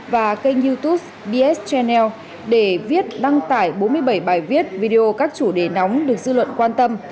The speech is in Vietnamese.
và kênh youtube dis genel để viết đăng tải bốn mươi bảy bài viết video các chủ đề nóng được dư luận quan tâm